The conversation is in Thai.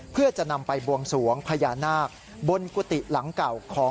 เพื่อจะนำไปบวงสวงพญานาคบนกุฏิหลังเก่าของ